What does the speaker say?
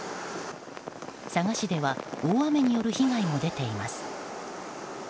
佐賀市では大雨による被害も出ています。